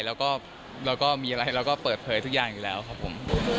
แล้วก็เราก็มีอะไรเราก็เปิดเผยทุกอย่างอยู่แล้วครับผม